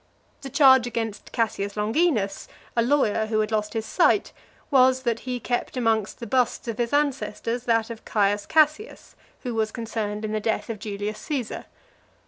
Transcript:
The charge against Cassius Longinus, a lawyer who had lost his sight, was, that he kept amongst the busts of his ancestors that of Caius Cassius, who was concerned in the death of Julius Caesar.